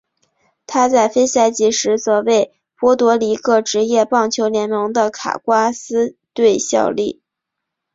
他在非赛季时则为波多黎各职业棒球联盟的卡瓜斯队效力。